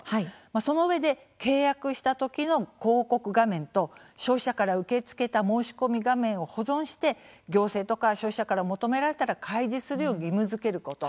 そのうえで契約した時の広告画面と消費者から受け付けた申し込み画面を保存して行政とか消費者から求められたら開示するよう義務づけること。